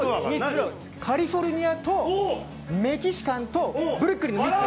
カリフォルニアとメキシカンとブルックリンの３つ。